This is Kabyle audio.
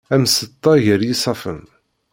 Am tseṭṭa gar yisaffen.